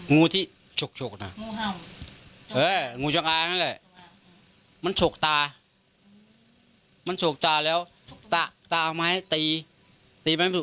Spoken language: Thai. งูที่ชกชกงูชกอางนั้นเลยมันชกตามันชกตาแล้วตั้งตาลงมาให้ตี